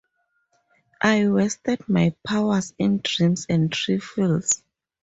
I wasted my powers in dreams and trifles.